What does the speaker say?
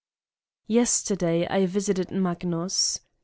Yesterday I visited Magnus.